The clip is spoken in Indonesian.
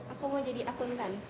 aku mau jadi akuntan